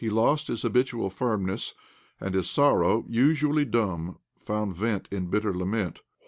He lost his habitual firmness, and his sorrow, usually dumb, found vent in bitter lament.